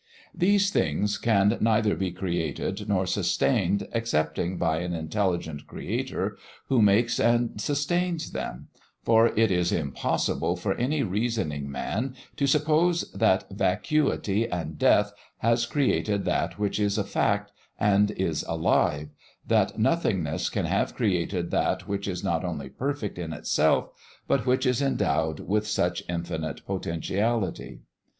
These things can neither be created nor sustained excepting by an intelligent Creator who makes and sustains them; for it is impossible for any reasoning man to suppose that vacuity and death has created that which is a fact and is alive that nothingness can have created that which is not only perfect in itself, but which is endowed with such infinite potentiality.